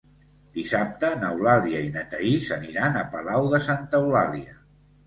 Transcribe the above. Dissabte n'Eulàlia i na Thaís aniran a Palau de Santa Eulàlia.